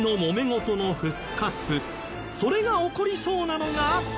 それが起こりそうなのが。